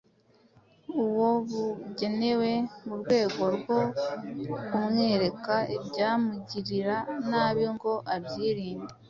uwo bugenewe mu rwego rwo kumwereka ibyamugirira nabi ngo abyirinde,